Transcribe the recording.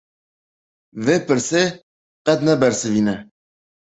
Vê pirsê qet nebirsivîne!